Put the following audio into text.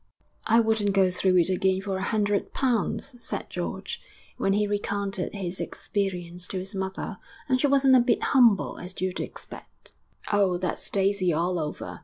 VIII 'I wouldn't go through it again for a hundred pounds,' said George, when he recounted his experience to his mother. 'And she wasn't a bit humble, as you'd expect.' 'Oh! that's Daisy all over.